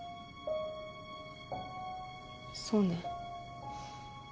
そうね。